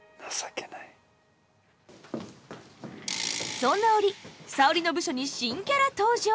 そんな折沙織の部署に新キャラ登場！